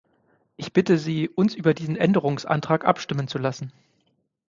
Ich bitte Sie, uns über diesen Änderungsantrag abstimmen zu lassen.